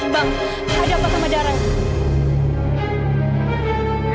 bang ada apa sama darahnya